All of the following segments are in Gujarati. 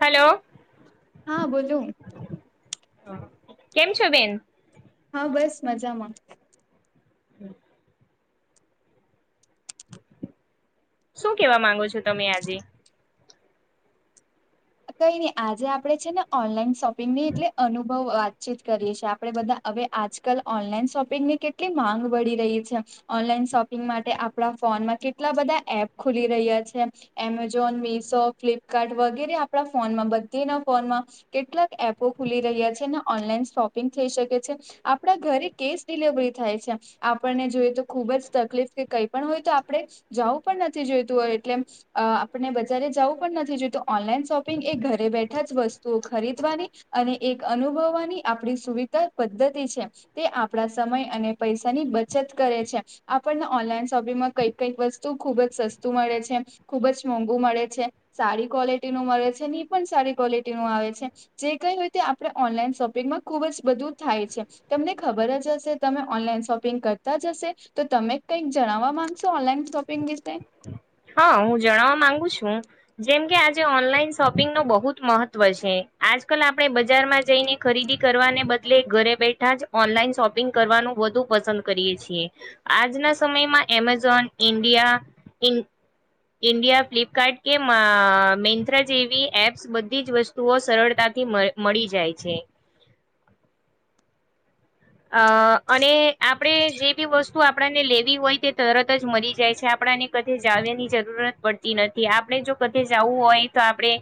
હલો હા બોલોું કેમ છો બેન હા બસ મજામાં [inaudible] શું કેવા માંગો છો તમે આજે કઈ નહી આજે આપણે છે ને ઓનલાઈન શોપિંગની એટલે અનુભવ વાતચીત કરીએ છીએ આપણે બધા હવે આજકાલ ઓનલાન શોપિંગની કેટલી માંગ વધી રહી છે ઓનલાઈન શોપિંગ માટે આપ ફો ફોનમાં કેટલા બધા એપ ખુલી રહ્યા છે એમેઝોન મીશો ફ્લિપકાર્ટ વગેરે આપણા ફોનમાં બધેના ફોનમાં કેટલાક એપો ખુલી રહ્યા છે ને ઓનલાઈન શોપિંગ થઈ શકે છે. આપડા ઘરે કે ડિલવરી થાય છે આપણને જોઈ તો ખુબ જ તકલીફ કે કઈ હોય તો આપણે જવું પણ નથી જોયતું એટલે આપણે બજ જવું પણ નથી જોયતું ઓનલાઈન શોપ એ ઘરે બેઠા જ વસ્તુઓ ખરીદવાની અને એક અનુભવવાની આપણી સુવિધા પદ્ધ દ્રતી આપ સમય અને પૈસાની બચત કરે છે આપણને ઓનલાઈન શોપિંગમાં કઈ કઈક વસ્તુ ખુબ જ સસ્તું મળે છે ખુબ જ મોંઘુ મળે છે સારી ક્વોલિટી નું મળે છે. ની પણ સારી ક્વોલિટી નું આવે છે જે કઈ હોયતે આપણે ઓનલાઈન શોપિંગમાં ખુબ જ બધું થાય છે. તમને ખબર જ હશે તમે ઓનલાઈન શોપિંગ કરતા જ હશે તો તમે કઈક જણાવવા માંગશો. ઓનલાઈન શોપિંગ વીસે હા હું જણાવવા માંગુ છું જેમ કે આજે ઓનલાઈન શોપિંગ ન બહુ જ મહત્વ છે. આજકાલ આપણે બજારમાં જઈને ખરીદી કરવાને બદલે ઘરે બેઠા જ ઓનલાઈન શોપિંગ કરવાનું વધુ પસંદ કરીએ છીએ આજના સમયમાં એમેઝોન ઇન્ડિયા [inaudible] ઇન્ડિયા ફ્લિપકાર્ટ કે મેન્થ્રા જેવી એપ્સ બધી જ વસ્તુઓ સરળતાથી મ મળી જાય છે. [inaudible] અ અને આપણે જે બી વસ્તુ આપણને લેવી હોય તે તરત જ મરી જાય છે આપ આપને કતે જાવવાની જરૂરત પડતી નથી આપણે જો કતે જાવું હોય તો આપણે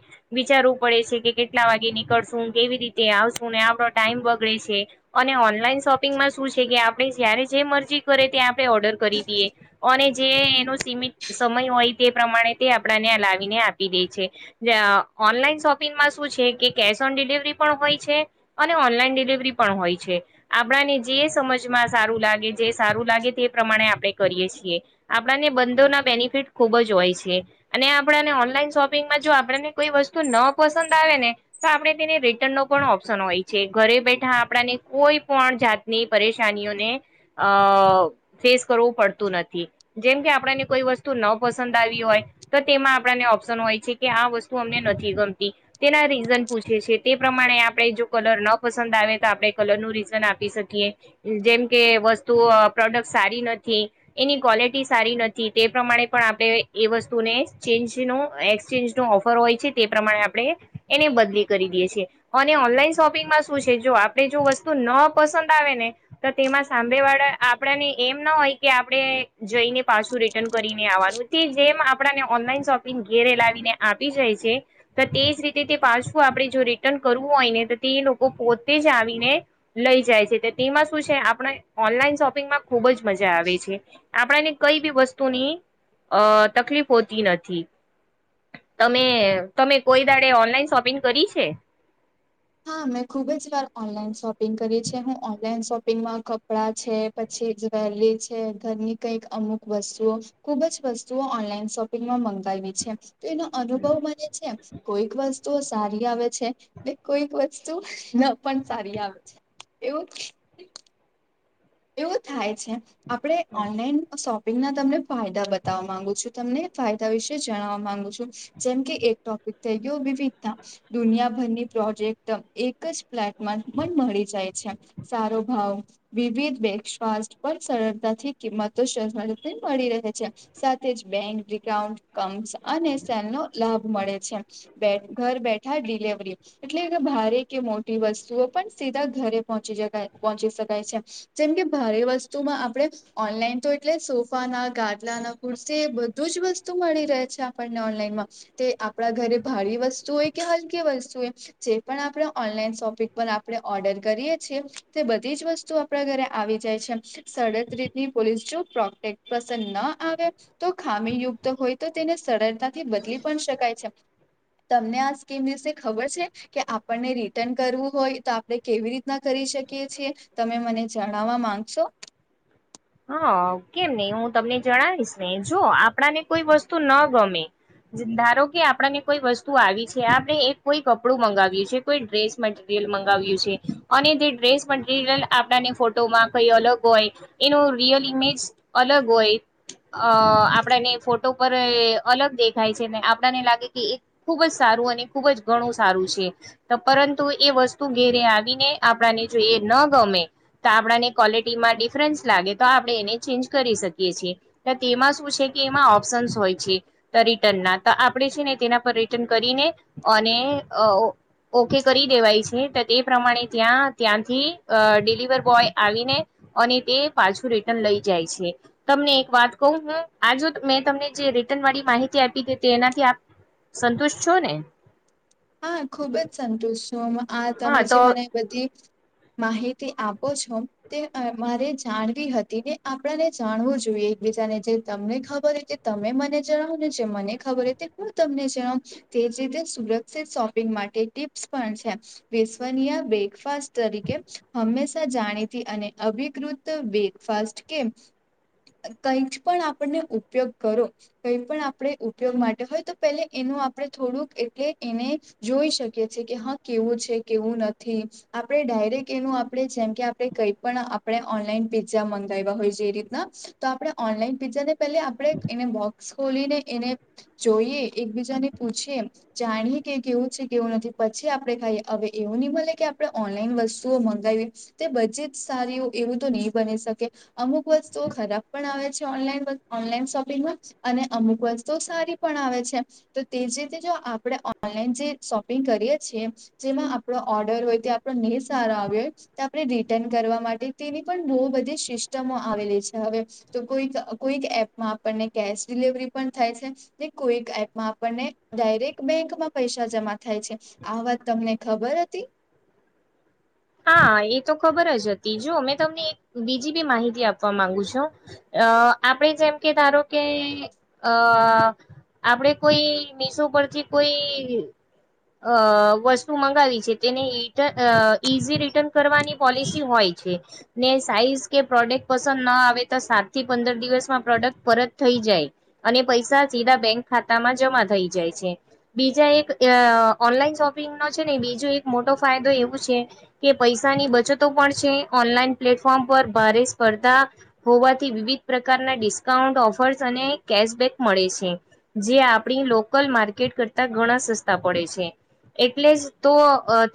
વિચારુ પડે છે કે કેટલા વાગે નીકળશું કેવી રીતે આવશું આપણો ટાઈમ બગડે છે અને ઓ લાઈન શોપિંગમાં શું છે કે આપણે જયારે જે મરજી કરે તે આપણે ઓર્ડર કરી દઈએ અને તે એનો સીમિત સમય હોય તે પ્રમાણે તે આપણાને આ લાવીને આપી દે છે જયા ઓનલાઈન શોપિંગમાં શું છે કે કેશ ઓન ડિલિવરી પણ હોય છે અને ઓનલાઈન ડિલિવરી પણ હોય છે. આપણાને જે સમજમાં સારું લાગે જે સારું લાગે તે પ્રમાણે આપણે કરીએ છીએ આપને બંધોના બેનિફિટ ખુબ જ હોય છે અને આપને ઓનલાઈન શોપિંગમાં જો આપને કોઈ વસ્તુ ન પસંદ આવે ને તો આપણે તેને રિટર્ન નો પણ ઓપ્શન હોય છે ઘરે બે થા આપણાને કોઈ પણ જાતની પરેશાનીઓને અ ફેસ કરવું પડતું નથી. જેમ કે આપણને કોઈ વસ્તુ ન પસંદ આવી હોય તો તેમાં આપણને ઓપ્શન હોય છે કે આ વસ્તુ અમને નથી ગમતી તેના રીઝન પૂછે છે તે પ્રમાણે આપણે જો કલર ન પસંદ આવે તો આપણે કલરનું રિ જન આપી શકીએ જેમ કે વસ્તુ પ્રોડક્ટ સારી નથી એની ક્વોલિટી સારી ટી નથી તે પ્રમાણે પણ આપણે એ વસ્તુનેેજ ચેન્જ નો એક્સચેન્જ નો ઓફર હોય છે તે પ્રમાણ આપણે એને બદલી કરી દીએ છીએ અને ઓનલાઈન શોપિંગમાં શું છે જો આપણે જો વસ્તુ તુ ન પસંદ આવે ને તો તેમાં સાંમેવાળા આપણેને એમ ના હોય કે આપણે જઈ એ પાછું રિટર્ન કરીને આવવાનું જેમ આપણાને ઓનલાઈન શોપિંગ ઘેરે લાવીને આપી જાય છે તો તે જ રીતે તે પાછું આપણે જો રિટર્ન કરવું હોય ને તો તે લોકો પોતે જ આવીને લઈ જાય છે તે તેમાં શું છે આપણે ઓનલાઈન શોપિંગમાં ખુબ જ મજા આવે છે. આપણને કઈ બી વસ્તુની અ તકલીફ હોતી નથી. તમે તમે કોઈ દાડે ઓનલાઈન શોપિંગ કરી છે. હા મેં ખુબ જ વાર ઓનલાઈન શોપિંગ કરી છે હું ઓનલાઈન શોપિંગમાં કપડાં છે પ તે જ્વેરી છે ઘરની કંઈક અમુક વસ્તુઓ ખુબ જ વસ્તુઓ ઓનલાઈન શોપીગ માં મં કરવી છે એનો અનુભવ માં જે છે કોઈક વસ્તુઓ સારી આવે છે એ કોઈક વસ્તુ ન પણ સારી આવે છે એવું એવું થાય છે આપણે ઓનલાઈન શોપિંગના તમને ફાયદા બતાવવા માંગુ છું તમને. ફાયદા વિશે જણવા માંગુ છું. જેમ કે એક ટોપિક થઈ ગયો વિવિધતા દુનિયાભરની પ્રોજેક્ટ એક જ પ્લેટમાં પણ મળી જાય છે. સારો ભાવ વિવિધ બેકફાસ્ટ પણ સરળતાથી કિંમતો [unintelligible] મળી રહે છે. સાથે જ બેંક ડી ક્રોવ્નકમ અને સેલ નો લાભ મળે છે. બેટ ઘર બેઠા ડિલેવરી એટલે ભારે કે મોટી વસ્તુઓ પણ સીધા ઘરે પહોંચી જતા પહોચી શકાય છે. જેમ કે ભારે વસ્તુમાં આપણે ઓનલાઈન તો એટલે સોફા ના, ગાટલા ના, કુર્સી બધું જ જ વસ્તુ મળી રહે છે આપણને ઓનલાઈનમાં. તે આપણા ઘરે ભારે વસ્તુ હોય કે હલકી વસ્તુ હોય જે પણ આપણે ઓનલાઈન શોપિંગ પર આપણે ઓર્ડર કરીએ છીઇ. તે બધી જ વસ્તુ પડા ઘરે આવી જાય છે. સરડદ રીતની પોલીસ જો પ્રોટેક પસન ના આવે તો ખા ખામીયુક્ત હોય તો તેને સરળતાથી બદલી પણ શકાય છે. તમને આ સ્કીમ વિશે ખબર છે? કે આપણને રિટર્ન કરવું હોય તો આપણે કેવી રીતના કરી શકી છીએ. તમે મને જણાવવા માંગશો? હા, કેમ નહી હું તમને જણાવીશ. ને જો આપણાને કોઈ વસ્તુ ના ગમે ધારો કે આપણને કોઈ વસ્તુ આવી છે. આપણે એક કોઈ કપડું મંગાવ્યું છે, કોઈ ડ્રેસ મટીરિય રીલ મંગાવ્યું છે. અને જે ડ્રેસ મરિયલ આપડાને ફોટોમાં કઈ અલગ હોય એનો રિયલ ઇમેજ અલગ હોય અ આપડાને ફોટો પર એ અલગ દેખાય છે. ને આપડાને લાગે કે એ ખુબ જ સારું સારું અને ખુબજ ગણું સારું છે. પરંતુ એ વસ્તુ ઘેરે આવીને આપને જો એ ન ગમે તો આપણાને ક્વોલિટીમાં ડિફ ફરન્સ લાગે તો આપણે એને ચેન્જ કરી શકીએ છીએ. તો તેમાં શું છે કે, એમાં ઓપ્શન્સ હોય છે. રિટર્ન ના તો આપણે છે ને તેના પર રિટર્ન કરીને અને અ ઓ ઓકે કરી દેવાય છે. તો તે પ્રમાણે ત્યાં ત્યાંથી અ ડિલિવર બોય આવીને અને તે પાછું રિટર્ન લઈ જાય છે. તમને એક વાત કહું હું, આ જો મેં તમને જે રિટર્ન વાળી માહિતી આપી દ એનાથી આપ સંતુષ્ટ છો ને? હા ખુબ જ સંતુષ છું. આ તમે હા જે તો મને બધી માહિતી આપો છો તે મારે જાણવી હતી ને આપણાને જાણવું જોઈએ બી બજાને જે તમને ખબર હો તે તમે મને જણાવો ને જે મને ખબર હો તે હું તમને જણાવ. તે સીધે સુરત સિર્ફ શોપિંગ માટે ટીપ્સ છે. વિશ્વનીય બ્રેકફાસ્ટ તરીકે હંમેશા જાણીતી અને અભિકૃત બ્રેકફાસ્ટ કે કઈ જ પણ આપણને ઉપયોગ કરો કોઈ પણ આપણે ઉપયોગ માટે હોય તો પે એના આપડે થોડુંક એટલે એને જોઈ શકીએ છીએ કે હા કેવું છે કેવું નથી આપણે ડાયરેક્ટ એનું આપણે જેમ કે આપણે કઈ પણ આપણે ઓનલાઈન પીઝ્ઝા મંગાવ્યા હોય છે એ રીતના તો આપણે ઓનલાઈન પીઝ્ઝા ને પે આપણે એને બોક્સ ખોલીને એને જોઈએ એકબીજાને પૂછીએ જાણીએ કે કેવું છે કેવું નથી પછી આપડણે ખાઈએ હવે એવું નહી મળ કે આપડણે ઓનલાઈન વસ્તુઓ મંગાવી બજટ સારી હો એવું તો નહી બની શકે અમુક વસ્તુઓ ખરાબ પણ આવે છે ઓનલાન ઓનલાઇન શોપિંગમાં અને અમુક વસ્તુ સારી પણ આવે છે તો તેજ રીતે જો આ આપણે ઓનલાઈન જે શોપિંગ કરીએ છીએ. જેમાં આપણો ઓર્ડર હોય તે આપણો નહી સારો આવ્યો હોય તો આપણે રિટર્ન કરવા માટે તેની પણ બહુ બધી સિસ્ટમો આવેલી છે. હવે તો કોઈક કોઈક એપમાં આપણને કેશ ડિલવરી પણ થાય છે ને કોઈક એપમાં આપણને ડાયરેક્ટ બેંકમાં પૈસા જમા થાય છે આ વાત તમને ખબર હતી? હા એ તો ખબર જ હતી. જો મેં તમને એક બીજી બી માહિતી આપવા માંગુ છું. અ અ આપણે જેમ કે ધારો કે અ આપડે કોઈ મીશો પરથી કોઈ અ વસ્તુ મંગાવી છે તેને રિટ અ ઈઝી રિટર્ન કરવાની પોલિસી હોય છે. ને સાઈઝ કે પ્રોડક્ટ પસંદ ના આવે તો સાત થી પંદર દિવસમાં પ્રોડક્ટ પરત થઈ જાય. અને પૈસા સીધા બેંક ખાતા માં જમા થઈ જાય છે. બીજા એક ઓનલાઈન શોપિંગ નો છે ને બીજો એક મોટો ફાયદો એવું છે કે પૈસાની બચતો પણ છે ઓનલાઈન પ્લેટફોર્મ પર ભારે સ્પર્ધા હોવાથી વિવિધ પ્રકારના ડિસ્કાઉન્ટ ઓફર્સ અને કેશબેક મળે છે જે આપણી લોકલ માટ કરતા ઘણા સસ્તા પડે છે એટલે જ તો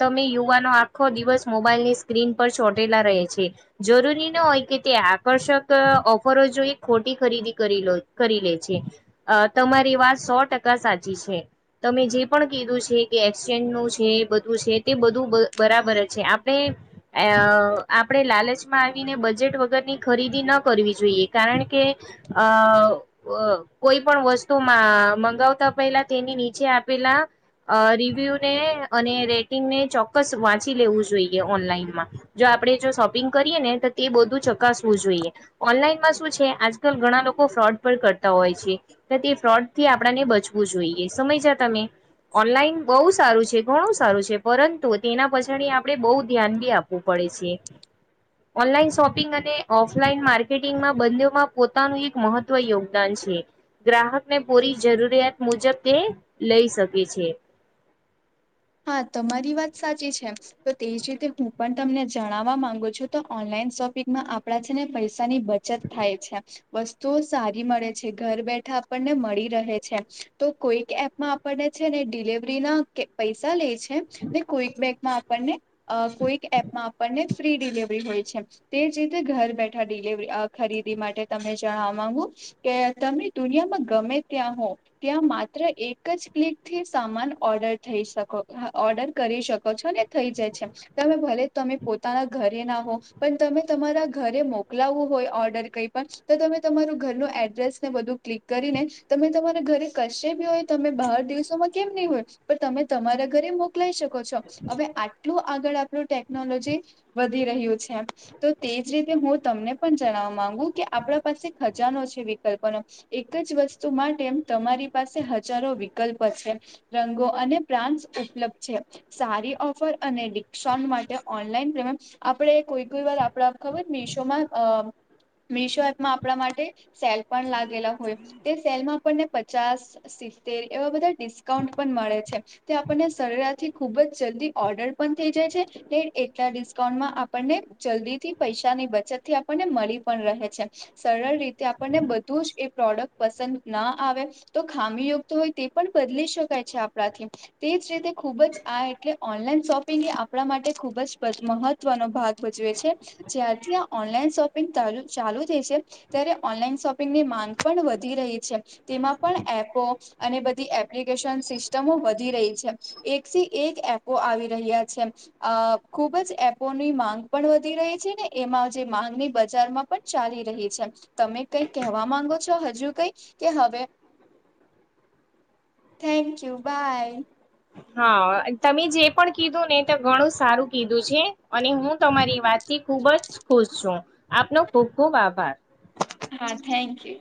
તમે યુવાનો ખો દિવસ મોબાઈલની સ્ક્રીન પર ચોંટેલા રહે છે જરૂરી ન હોય કે તે આકર્ષક ઓફરો જોઈ ખોટી ખરીદી કરી લે છે તમારી વાત સો ટકા તમે જે પણ કીધું છે કે એક્સચેન્જ નું છે બધું છે તે બધું બરાબર છે આપણે અ આપણે લાલચમાં આવીને બજેટ વગરની ખરીદી ન કર જોઈએ કારણ કે કોઈ પણ વસ્તુમાં મંગ પની નીચે આપેલા ર્યુને અને રેટંગ ચોક્કસ વાંચી લેવું જોઈએ ઓનલાઈનમાં જો આપડણે જો શોપિંગ કરીએ ને તો તે બધું ચકાસવું જોઈએ. આજ ઘણા લોકો ફ્રોડ કરતા હોય છે તે ફ્રોડ થી આપ વું જોઈએ સમ તમે ઓનલાઈન બહ સારું છે ઘણું સારું છે પરંતુ તેના પછડી આપડણે બહુ ધ્યાન બી આપવું પડે છે. ઓનલાઈન શોપિંગ અને ઓફલાઈન માર્કેટિંગમાં બંમાં પોતાનું એક મહત્વ યોગદાન છે. ગ્રાહકને પૂરી જરૂરિયાત મુજબ તે લઈ શકે છે. હા તમારી વાત સાચી છે તો તેજ રીતે હું પણ તમને જણાવવા માંગુ છું તો ઓનલાઈન શોપિંગમાં આપડા છે ને પૈસાની બચત થાય છે વસ્તુઓ સારી મળે છે ઘર બેઠે આપને મળી રહે છે તો કોઈક એપમાં આપને છે ને ડિલવરી ના પૈસા લે છે ને ક્કબેગમાં આપણને કોઈક એપમાં આપણને ફ્રી ડિલવરી હોય છે તે જ રીતે ઘર બેઠા ડિલવરી ખરીદી માટે તમે જણ કે તમે દુનિયામાં ગમે ત્યાં હો ત્યાં માત્ર એક જ ક્લિક થી સામાન ઓર્ડર થઈ શકો ઓર્ડર કરી શકો છો ને થઈ જાય છે તમે ભલે તમે પોતાના ઘરે ના પણ ત તમારા ઘરે મોકલાવું હોય ઓર્ડર કઈ પણ તો તમે તમારું ઘર ન એડ્રેસ ને બધું ક્લિક કરી ને તમે તમારા ઘરે કશે ભી હોય તમે બહાર દિવસોમાં કેમ નહી હોય પણ તમે તમારા ઘરે મોકલાઈ શકો છો હવે આટલું આગળ આપણું ટેકનોલોજી વધી તો તેજ રીતે હું તમને પણ જણવા ગુ કે આપણા પાસે ખજાનો છે એક જ વસ્તુ માટે તમારી પાસે હજારો વિકલ્પ છે રંગો અને બ્રાન્ડ ઉપલબ્ધ છે સારી ઓફર અને ડિઉન્ટ માટે ઓનલાઈનેમે આપડે કોઈ કોઈ વાર આપડ ખબર ને ઈશોમાં અ મિશો એપમાં આપણા માટે સેલ પણ લાગેલા હોય તે સેલમાં આપણને પચાસ એવા બધા ડિસ્કાઉન્ટ પણ મળે છે. આપને સરથી ખુબ જ જલ્દી ઓર્ડર પણ થઈ જાય છે એટલા ડિસ્કાઉન્ટમાં આપણને જલ્દી થી પૈસાની બચત થી આપણને મળી પણ રહે છે સરળ રીતે આપણને બધું એ પ્રોડક્ટ પસંદ ના આવે તો ખામી યોક્ત હોય તે પણ બદલી શકાય છે. તે જ રીતે ખૂબ જ આ એટલે ઓનલાઈન શોપિંગ આપણા માટે ખુબ જ મહત્વ ભ છે જારથી આન શોપિંગ ચાલુ થ છે ત્યારે ઓનલાનપ બ તેની માંગ પણ વધી રહી છે તેમાં પણ એપો અને બધી એપ્લિકેશન સિસ્ વધી રહી છે એકથી એક એપો આવી રહ્યા છે ખુબ જ એપો ની માંગ પણ વધી રહી છે ને એમાં જે માંગની બજારમાં પણ ચાલી રહી છે તમે કઈ કવા માંગો છો હજુ કઈ કે હવે થેન્ક યુ. બાય હા તમે જે પણ કીધું ને તે ઘણું સારું કીધું છે અને હું તમારી વાત થી ખુબ જ ખુશ છું આપનો ખૂબ ખુબ આભાર. હા થેન્ક યુ.